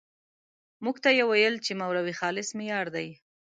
موږ ته یې ويل چې مولوي خالص مې يار دی.